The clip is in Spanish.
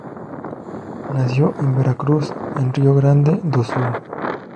Nació en Vera Cruz, en Río Grande do Sul.